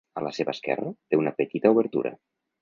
A la seva esquerra té una petita obertura.